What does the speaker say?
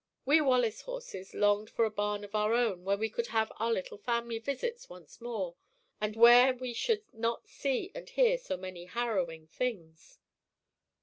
We Wallace horses longed for a barn of our own, where we could have our little family visits once more, and where we should not see and hear so many harrowing things.